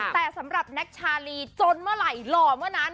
แต่สำหรับแน็กชาลีจนเมื่อไหร่หล่อเมื่อนั้น